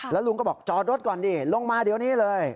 แล้วลุงก็บอกจอดรถก่อนดิลงมาเดี๋ยวนี้เลย